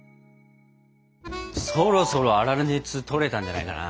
そろそろ粗熱とれたんじゃないかな。